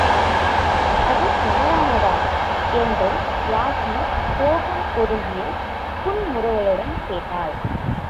அது தவறானதா? என்று யாஸ்மி சோகம் பொருந்திய புன்முறுவலுடன் கேட்டாள்.